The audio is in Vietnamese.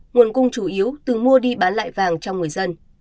nguồn cung chủ yếu từ mua đi bán lại vàng trong người dân